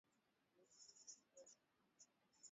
enock ngome akiwa nairobi